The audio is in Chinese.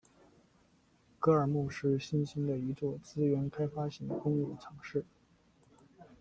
格尔木是新兴的一座资源开发型的工业城市。